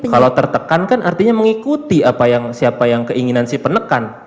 kalau tertekan kan artinya mengikuti siapa yang keinginan si penekan